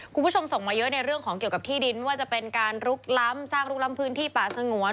คุณผู้ชมส่งมาเยอะในเรื่องของเกี่ยวกับที่ดินว่าจะเป็นการลุกล้ำสร้างลุกล้ำพื้นที่ป่าสงวน